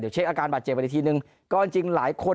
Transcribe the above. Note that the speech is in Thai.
เดี๋ยวเช็คอาการบาดเจ็บกันอีกทีนึงก็จริงหลายคน